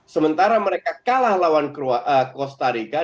sementara mereka kalah lawan costa rica